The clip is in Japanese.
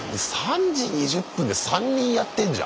３時２０分で３人やってんじゃん。